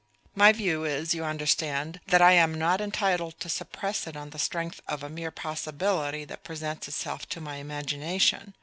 My view is, you understand, that I am not entitled to suppress it on the strength of a mere possibility that presents itself to my imagination.